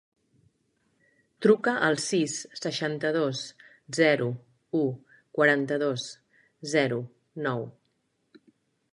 Truca al sis, seixanta-dos, zero, u, quaranta-dos, zero, nou.